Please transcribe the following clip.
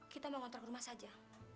kita mau ngtrol ke rumah saja